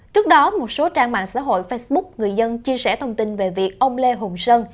trước đó một số trang mạng xã hội facebook người dân chia sẻ thông tin về việc ông lê hùng sơn